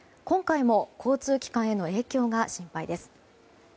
今回も交通機関への影響が心配です。